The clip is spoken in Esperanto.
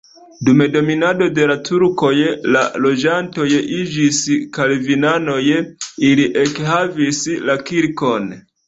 Dum dominado de la turkoj la loĝantoj iĝis kalvinanoj, ili ekhavis la kirkon.